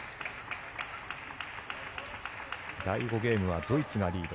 第５ゲームはドイツがリード。